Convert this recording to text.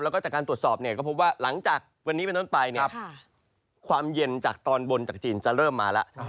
แล้วก็จากการตรวจสอบเนี่ยก็พบว่าหลังจากวันนี้เป็นต้นไปเนี่ยความเย็นจากตอนบนจากจีนจะเริ่มมาแล้ว